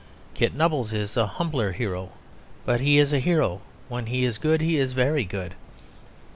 Kit Nubbles is a humbler hero, but he is a hero; when he is good he is very good.